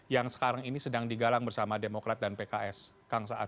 yang sekarang ini sedang digalang bersama demokrat dan pks kang saan